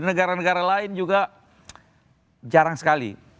negara negara lain juga jarang sekali